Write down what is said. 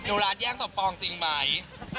หนูรัสแย่งสบปองจริงไหม